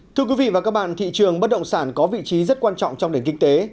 thưa quý vị và các bạn thị trường bất động sản có vị trí rất quan trọng trong nền kinh tế